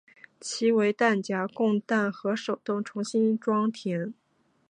其为弹匣供弹和手动重新装填。